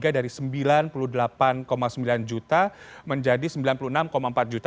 dua ribu dua puluh tiga dari sembilan puluh delapan sembilan juta menjadi sembilan puluh enam empat juta